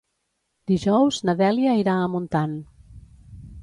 Dijous na Dèlia irà a Montant.